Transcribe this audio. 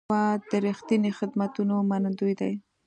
هېواد د رښتیني خدمتونو منندوی دی.